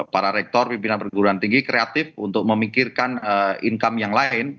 para rektor pimpinan perguruan tinggi kreatif untuk memikirkan income yang lain